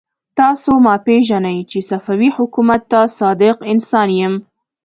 تاسو ما پېژنئ چې صفوي حکومت ته صادق انسان يم.